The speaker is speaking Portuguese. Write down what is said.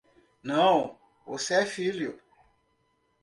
Não, você é filho.